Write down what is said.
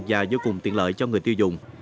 và vô cùng tiện lợi cho người tiêu dùng